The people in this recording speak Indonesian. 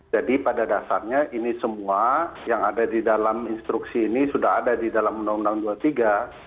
jadi pada dasarnya ini semua yang ada di dalam instruksi ini sudah ada di dalam undang undang dua puluh tiga